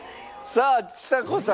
さあちさ子さん